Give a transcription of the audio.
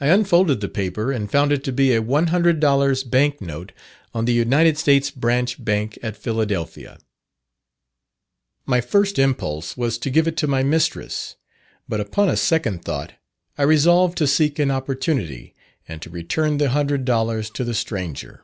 I unfolded the paper, and found it to be a 100 dols. bank note, on the United States Branch Bank, at Philadelphia. My first impulse was to give it to my mistress, but upon a second thought, I resolved to seek an opportunity, and to return the hundred dollars to the stranger.